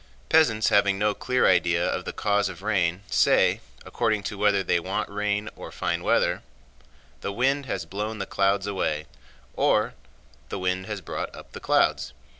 Peasants having no clear idea of the cause of rain, say, according to whether they want rain or fine weather: "The wind has blown the clouds away," or, "The wind has brought up the clouds."